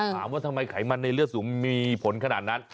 ถามว่าทำไมไขมันในเลือดสูงมีผลขนาดนั้น